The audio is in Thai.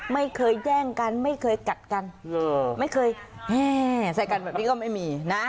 ไม่เคยแย่งกันไม่เคยกัดกันไม่เคยแห้ใส่กันแบบนี้ก็ไม่มีนะ